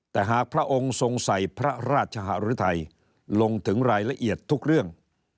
แต่หากพระองค์ทรงใส่พระราชหารุทัยลงถึงรายละเอียดทุกเรื่อง